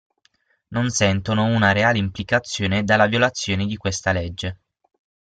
Non sentono una reale implicazione dalla violazione di questa legge.